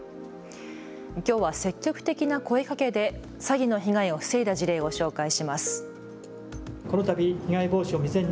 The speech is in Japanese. きょうは積極的な声かけで詐欺の被害を防いだ事例を紹介します。